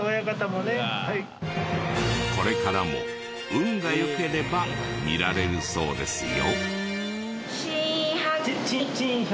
これからも運が良ければ見られるそうですよ。